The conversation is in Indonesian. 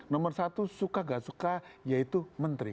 nomor satu suka gak suka yaitu menteri